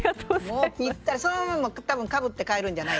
ぴったりそのまま多分かぶって帰るんじゃないですか？